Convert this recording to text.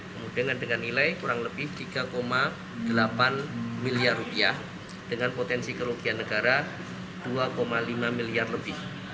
kemudian dengan nilai kurang lebih rp tiga delapan miliar rupiah dengan potensi kerugian negara dua lima miliar lebih